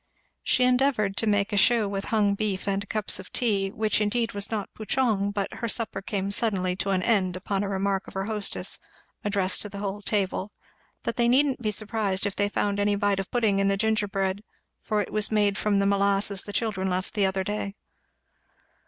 She endeavoured to make a shew with hung beef and cups of tea, which indeed was not Pouchong; but her supper came suddenly to an end upon a remark of her hostess, addressed to the whole table, that they needn't be surprised if they found any bite of pudding in the gingerbread, for it was made from the molasses the children left the other day.